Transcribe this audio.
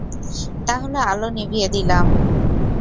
তাহলে আলো নিভিয়ে দিলাম।